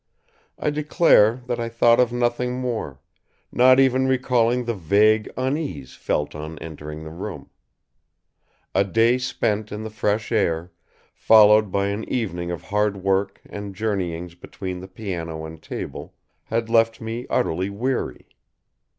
I declare that I thought of nothing more; not even recalling the vague unease felt on entering the room. A day spent in the fresh air, followed by an evening of hard work and journeyings between the piano and table, had left me utterly weary.